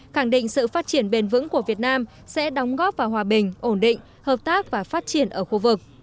khẳng định sự phát triển bền vững của việt nam sẽ đóng góp vào hòa bình ổn định hợp tác và phát triển ở khu vực